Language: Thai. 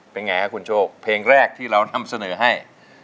เป็นไงครับคุณโชคเพลงแรกที่เรานำเสนอให้